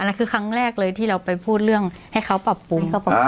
อันนั้นคือครั้งแรกเลยที่เราไปพูดเรื่องให้เขาปรับปรุง